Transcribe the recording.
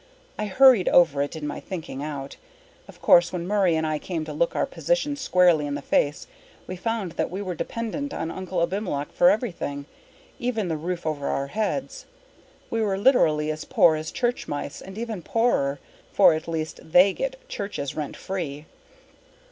I hurried over it in my thinking out. Of course when Murray and I came to look our position squarely in the face we found that we were dependent on Uncle Abimelech for everything, even the roof over our heads. We were literally as poor as church mice and even poorer, for at least they get churches rent free.